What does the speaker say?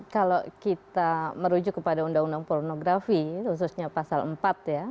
kalau kita merujuk kepada undang undang pornografi khususnya pasal empat ya